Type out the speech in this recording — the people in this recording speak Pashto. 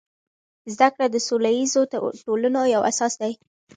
زده کړه د سوله ییزو ټولنو یو اساس دی.